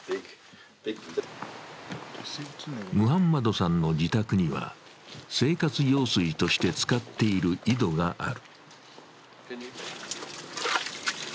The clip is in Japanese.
ムハンマドさんの自宅には生活用水として使っている井戸がある。